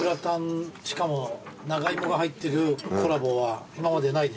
しかも長芋が入ってるコラボは今までないでしょ？